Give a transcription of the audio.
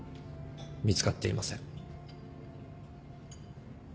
見つかっていません。